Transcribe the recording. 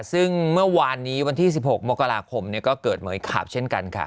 ซึ่งเมื่อวานนี้วันที่๑๖มกราคมก็เกิดเหมือยขาบเช่นกันค่ะ